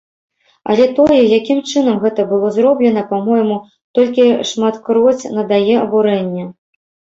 Але тое, якім чынам гэта было зроблена, па-мойму, толькі шматкроць надае абурэння.